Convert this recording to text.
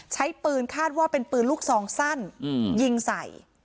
ใช้ปืนคาดว่าเป็นปืนลูกซองสั้นยิงใส่